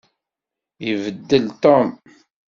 Ibeddel Tom.